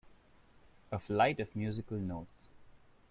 A flight of musical notes.